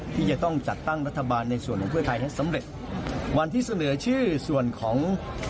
ที่จะต้องจัดตั้งรัฐบาลในส่วนของเพื่อไทยให้สำเร็จวันที่เสนอชื่อส่วนของ